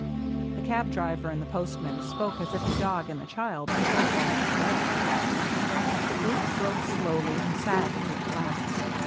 The cab driver and the postman spoke as if the dog and the child were both already dead. The group broke slowly and sadly at last.